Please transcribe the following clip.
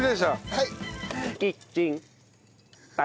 はい。